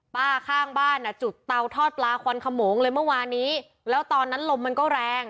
ข้างบ้านอ่ะจุดเตาทอดปลาควันขโมงเลยเมื่อวานนี้แล้วตอนนั้นลมมันก็แรง